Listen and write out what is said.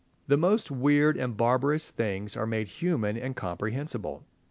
The most weird and barbarous things are made human and comprehensible.